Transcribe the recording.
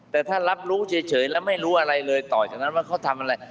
แต่ถ้ารับรู้เฉยแล้วไม่รู้อะไรเลยต่อจากนั้นว่าเขาทำอะไร